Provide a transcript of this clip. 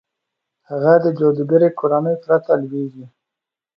هغه د جادوګرې کورنۍ پرته لوېږي.